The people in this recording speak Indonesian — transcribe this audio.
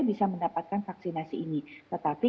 bisa mendapatkan vaksinasi ini tetapi